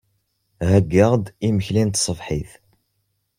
Heyyaɣ-d imekli n tṣebḥit.